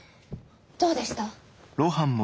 どうでした？